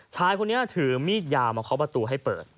ชายคนนี้ถือมีดยาวมาเคาะประตูให้เปิด